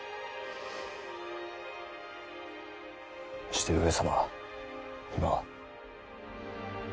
して上様は今は？